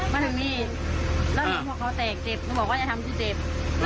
มาทางนี้แล้วพอเขาแตกเจ็บก็บอกว่าอย่าทำกูเจ็บ